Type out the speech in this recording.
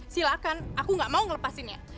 silahkan aku gak mau ngelepasinnya